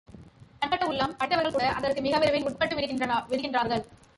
பண்பட்ட உள்ளம் படைத்தவர்கள்கூட அதற்கு மிகவிரைவில் உட்பட்டு விடுகின்றார்கள்.